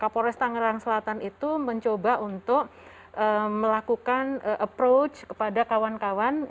kapolres tangerang selatan itu mencoba untuk melakukan approach kepada kawan kawan